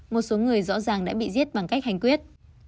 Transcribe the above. một số người rõ ràng đã bị giết bằng cách hành quyết